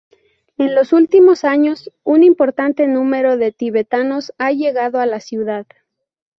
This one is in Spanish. En los últimos años, un importante número de tibetanos ha llegado a la ciudad.